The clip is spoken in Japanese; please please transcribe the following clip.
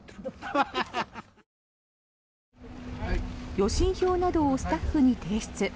予診票などをスタッフに提出。